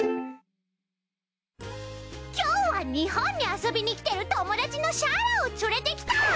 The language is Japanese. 今日は日本に遊びに来てる友達のサラを連れてきた！